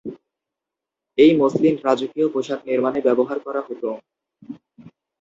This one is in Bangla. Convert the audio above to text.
এই মসলিন রাজকীয় পোশাক নির্মাণে ব্যবহার করা হত।